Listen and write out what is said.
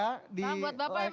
salam buat bapak ya mas